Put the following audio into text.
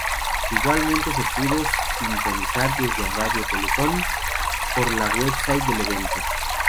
Igualmente se pudo sintonizar desde Radio Teletón, por la website del evento.